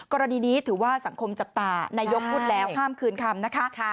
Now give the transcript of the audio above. กรณีนี้ถือว่าสังคมจับตานายกพูดแล้วห้ามคืนคำนะคะ